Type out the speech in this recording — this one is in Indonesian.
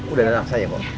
udah denang saya mama